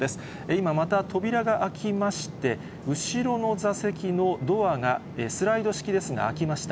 今、また扉が開きまして、後ろの座席のドアがスライド式ですが、開きました。